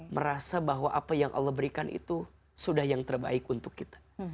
merasa bahwa apa yang allah berikan itu sudah yang terbaik untuk kita